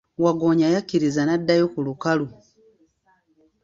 Waggoonya yakiriza n'addayo ku lukalu.